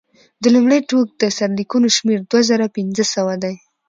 د لومړي ټوک د سرلیکونو شمېر دوه زره پنځه سوه دی.